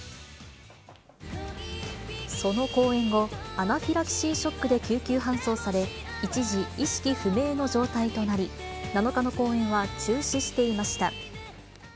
その公演後、アナフィラキシーショックで救急搬送され、一時意識不明の状態となり、７日の公演は中止していました。